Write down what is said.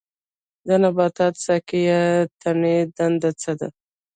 د نبات ساقې یا تنې دنده څه ده